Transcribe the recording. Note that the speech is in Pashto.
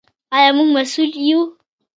آیا موږ مسوول یو؟